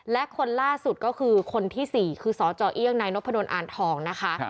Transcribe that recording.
และคนล่าสุดก็คือคนที่๔คือสจเอี่ยงนายนพดลอ่านทองนะคะ